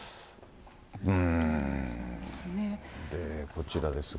こちらですが。